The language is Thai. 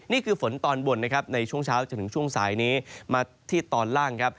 นี่คือฝนตอนบนนะครับในช่วงเช้าจนถึงช่วงสายนี้มาที่ตอนล่างครับ